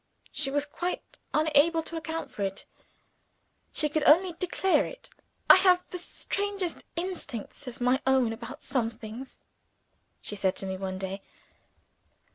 She was quite unable to account for it; she could only declare it. "I have the strangest instincts of my own about some things," she said to me one day.